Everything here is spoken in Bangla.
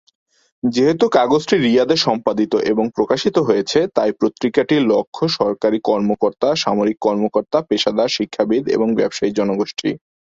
যেহেতু কাগজটি রিয়াদে সম্পাদিত এবং প্রকাশিত হয়েছে, তাই পত্রিকাটির লক্ষ্য সরকারী কর্মকর্তা, সামরিক কর্মকর্তা, পেশাদার, শিক্ষাবিদ এবং ব্যবসায়ী জনগোষ্ঠী।